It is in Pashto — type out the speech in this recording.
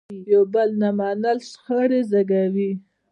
یو بل نه منل شخړې زیږوي.